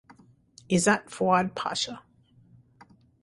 Izzat Fuad Pasha.